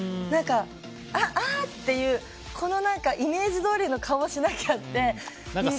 あー！っていうイメージどおりの顔をしなきゃ！っていう気持ちに。